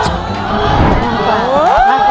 แล้ววันนี้ผมมีสิ่งหนึ่งนะครับเป็นตัวแทนกำลังใจจากผมเล็กน้อยครับ